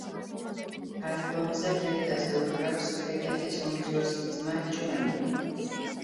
ალბომზე ფლეიტაზე უკრავს ჰეკეტის უმცროსი ძმა, ჯონი.